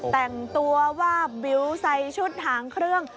แต่งตัวว่าบิลไซด์ชุดทางเครื่อง